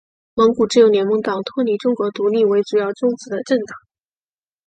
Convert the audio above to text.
蒙古自由联盟党脱离中国独立为主要宗旨的政党。